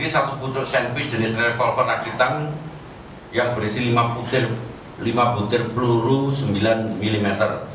satu pucuk senpi jenis revolver aditan yang berisi lima butir peluru sembilan mm